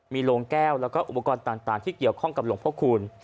มีโรงแก้วแล้วก็อุปกรณ์ต่างที่เกี่ยวข้องกับหลวงพระคูณ